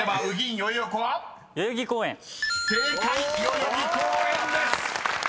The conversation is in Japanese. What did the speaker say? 「代々木公園」です］